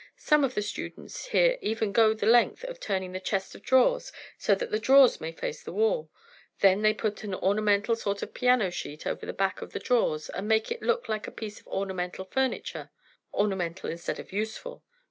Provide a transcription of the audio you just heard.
Some of the students here even go the length of turning the chest of drawers, so that the drawers may face the wall; then they put an ornamental sort of piano sheet over the back of the drawers, and make it look like a piece of ornamental furniture, ornamental instead of useful.